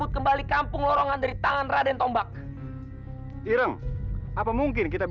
sampai jumpa di video selanjutnya